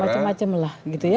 macem macem lah gitu ya